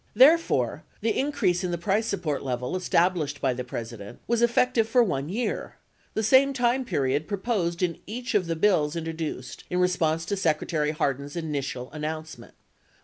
Therefore, the increase in the price support level established by the President was effective for 1 year, the same time period proposed in each of the bills intro duced in response to Secretary Hardin's initial announcement.